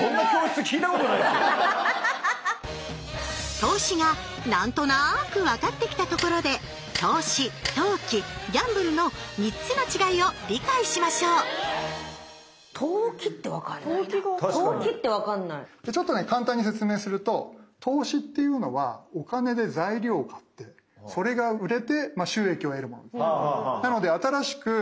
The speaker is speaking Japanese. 投資が何となく分かってきたところで投資投機ギャンブルの３つの違いを理解しましょうじゃあちょっとね簡単に説明すると投資っていうのはお金で材料を買ってそれが売れて収益を得るもの。